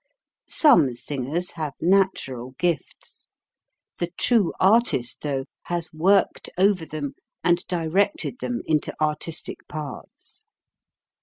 Some singers have natural gifts. The true artist, though, has worked over them and directed them into artistic paths.